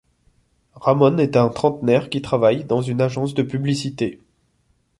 Ramón est un trentenaire qui travaille dans une agence de publicité.